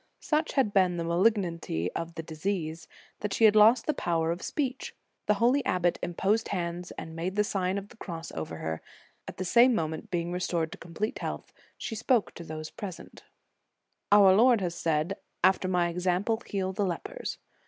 Such had been the malignity of the disease, that she had lost the power of speech. The holy abbot imposed hands and made the Sign of the Cross over her; at the same moment, being restored to complete health, she spoke to those present* Our Lord has said, "After my example, heal the lepers."